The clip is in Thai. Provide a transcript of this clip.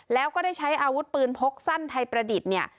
แล้วก็ได้ใช้อาวุธปืนพกสั้นไทยประดิษฐ์เนี่ย